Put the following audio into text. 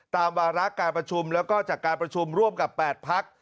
วาระการประชุมแล้วก็จากการประชุมร่วมกับ๘พัก